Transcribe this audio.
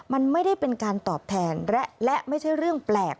มันไม่ได้เป็นการตอบแทนและไม่ใช่เรื่องแปลก